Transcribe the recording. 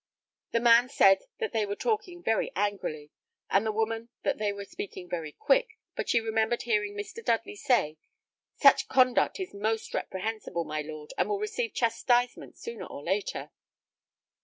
The man said that they were talking very angrily, and the woman that they were speaking very quick, but she remembered hearing Mr. Dudley say, "Such conduct is most reprehensible, my lord, and will receive chastisement sooner or later."